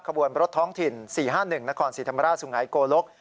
ขบวนรถท้องถิ่น๔๕๑นครศรีธรรมราชสุงหายโกลก